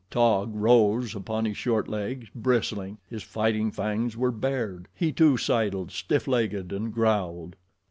Taug rose upon his short legs, bristling. His fighting fangs were bared. He, too, sidled, stiff legged, and growled.